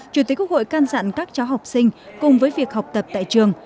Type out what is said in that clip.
chủ tịch quốc hội can dặn các cháu học sinh cùng với việc học tập tại trường